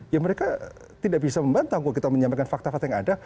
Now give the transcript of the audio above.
ya mereka tidak bisa membantah kalau kita menyampaikan fakta fakta yang ada